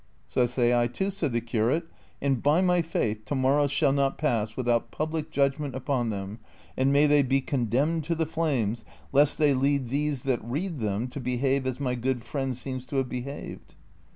" So say I too," said the curate, " and l)y my faith to mor row shall not pass without public judgment u})()n them, and may they be condemned to the flames lest they lead those that read them to behave as my good friend seems to have behaved."